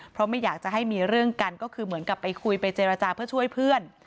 เพราะไม่อยากจะให้มีเรื่องกันก็คือเหมือนกับไปคุยไปเจรจาเพื่อช่วยเพื่อน